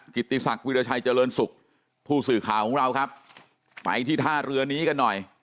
ติศักดิราชัยเจริญสุขผู้สื่อข่าวของเราครับไปที่ท่าเรือนี้กันหน่อย